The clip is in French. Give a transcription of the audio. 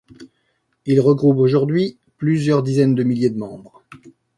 Il regroupe aujourd’hui plusieurs dizaines de milliers de membres.